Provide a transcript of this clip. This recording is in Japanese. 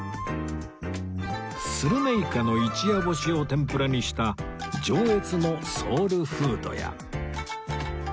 スルメイカの一夜干しを天ぷらにした上越のソウルフードや